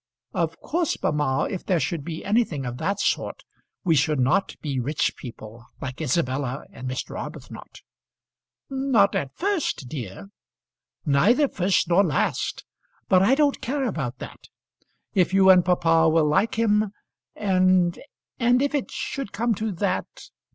"Of course, mamma, if there should be anything of that sort, we should not be rich people, like Isabella and Mr. Arbuthnot." "Not at first, dear." "Neither first nor last. But I don't care about that. If you and papa will like him, and and if it should come to that!